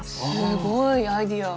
すごいアイデア。